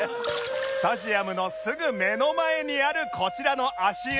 スタジアムのすぐ目の前にあるこちらの足湯